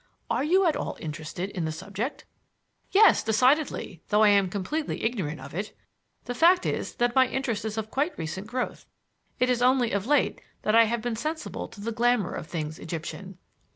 Are you at all interested in the subject?" "Yes, decidedly, though I am completely ignorant of it. The fact is that my interest is of quite recent growth. It is only of late that I have been sensible of the glamor of things Egyptian."